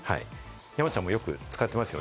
山ちゃんもよく使ってますよね。